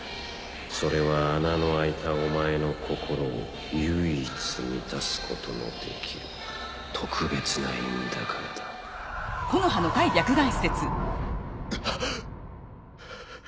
それは穴の開いたお前の心を唯一満たすことのできる特別な印だからだハァハァハァ。